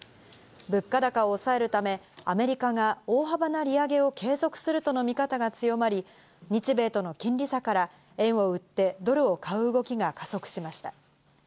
物価高を抑えるためアメリカが大幅な利上げを継続するとの見方が強まり、日米との金利差から円を売ってドルを買う動きが加速しました。